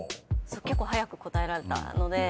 結構早く答えられたので。